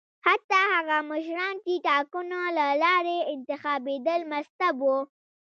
حتی هغه مشران چې ټاکنو له لارې انتخابېدل مستبد وو.